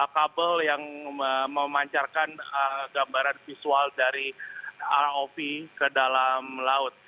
kabel yang memancarkan gambaran visual dari rov ke dalam laut